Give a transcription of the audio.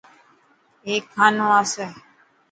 هيڪ کانو آسي.